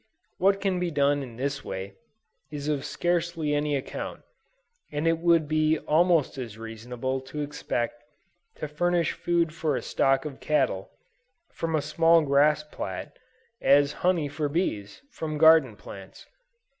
What can be done in this way, is of scarcely any account; and it would be almost as reasonable to expect to furnish food for a stock of cattle, from a small grass plat, as honey for bees, from garden plants.